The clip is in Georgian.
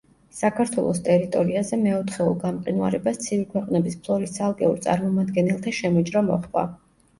საქართველოს ტერიტორიაზე მეოთხეულ გამყინვარებას ცივი ქვეყნების ფლორის ცალკეულ წარმომადგენელთა შემოჭრა მოჰყვა.